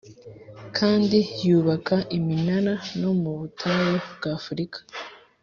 Kandi yubaka iminara no mu butayu bw’ afurika